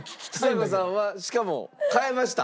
ちさ子さんはしかも変えました。